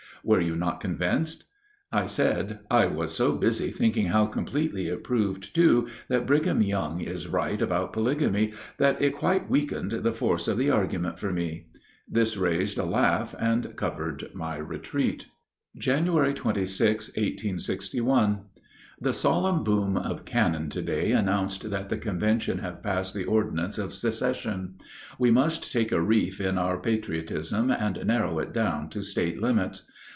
Were you not convinced?" I said, "I was so busy thinking how completely it proved too that Brigham Young is right about polygamy that it quite weakened the force of the argument for me." This raised a laugh, and covered my retreat. Jan. 26, 1861. The solemn boom of cannon to day announced that the convention have passed the ordinance of secession. We must take a reef in our patriotism and narrow it down to State limits.